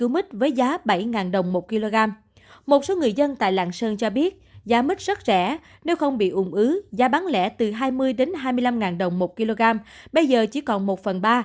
một số người dân tại lạng sơn cho biết giá mít rất rẻ nếu không bị ủng ứ giá bán lẻ từ hai mươi hai mươi năm đồng một kg bây giờ chỉ còn một phần ba